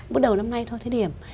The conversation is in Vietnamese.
bước đầu năm nay thôi thế điểm